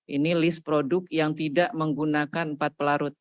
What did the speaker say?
ini list produk yang tidak menggunakan empat pelarut